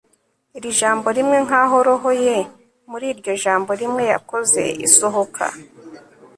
iri jambo rimwe, nkaho roho ye muri iryo jambo rimwe yakoze isohoka